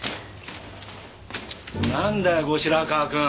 なんだよ後白河くん。